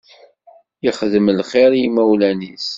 Yexdem lxiṛ i yimawlan-is.